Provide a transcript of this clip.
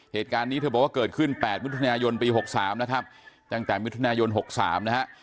เหตุการณ์นี้เธอบอกว่าเกิดขึ้น๘มิถุนายนปี๖๓นะครับตั้งแต่มิถุนายน๖๓นะฮะ